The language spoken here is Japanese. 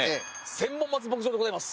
千本松牧場でございます。